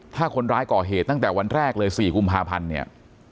ถ้าคนร้ายก่อเหตุตั้งแต่วันแรกเลย๔กุมภาพันธ์เนี่ย